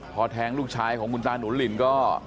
พอแทงลูกชายของคุณตานุนหลินก็